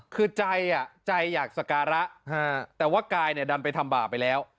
คือใจใจอยากสการะแต่ว่ากายเนี่ยดันไปทำบาปไปแล้ว